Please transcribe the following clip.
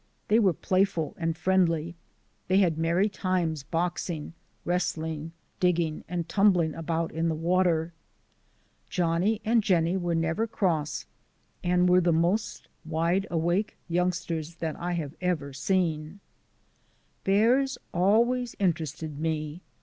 They were playful and LANDMARKS 151 friendly; they had merry times boxing, wrestling, digging, and tumbling about in the water. Johnny and Jennie were never cross and were the most wide awake youngsters that I have ever seen. Bears always interested me.